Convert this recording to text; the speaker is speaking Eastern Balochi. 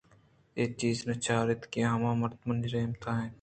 اے چیز ءَ نہ چاریت کہ آ ہما مردمانی رم ءِ تہا اِنت